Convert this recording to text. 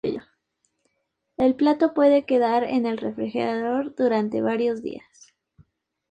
El plato puede quedar en el refrigerador durante varios días.